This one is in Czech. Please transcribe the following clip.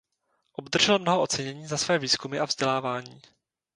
Obdržel mnoho ocenění za své výzkumy a vzdělávání.